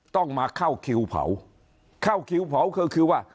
ต้องมาเข้าคิวเผาเข้าคิวเผาก็คือว่า